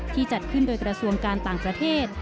จัดขึ้นโดยกระทรวงการต่างประเทศ